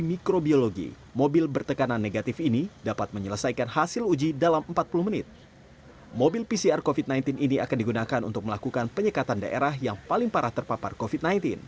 ini akan digunakan untuk melakukan penyekatan daerah yang paling parah terpapar covid sembilan belas